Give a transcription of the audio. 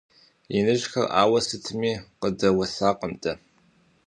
Иныжьхэр ауэ сытми къыдэуэсакъым дэ.